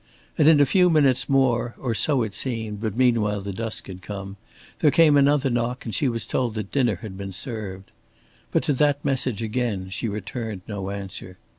And in a few minutes more or so it seemed, but meanwhile the dusk had come there came another knock and she was told that dinner had been served. But to that message again she returned no answer.